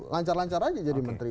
lancar lancar aja jadi menteri